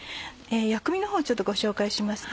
薬味のほうちょっとご紹介します。